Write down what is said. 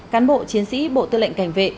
cán bộ chiến sĩ bộ tư lệnh cảnh vệ